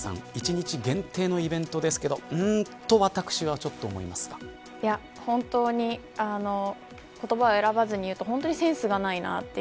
１日限定のイベントですけど本当に言葉を選ばずに言うと本当にセンスがないなと。